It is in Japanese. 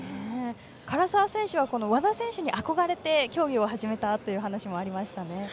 唐澤選手は和田選手に憧れて競技を始めたという話もありましたね。